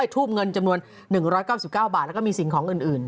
ทูบเงินจำนวน๑๙๙บาทแล้วก็มีสิ่งของอื่น